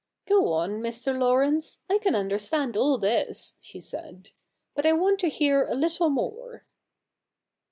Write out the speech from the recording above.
'Go on, j\Ir. Laurence — I can understand all this,' she said. ' But I want to hear a little more.'